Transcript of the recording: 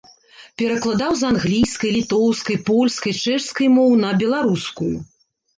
Перакладаў з англійскай, літоўскай, польскай, чэшскай моў на беларускую.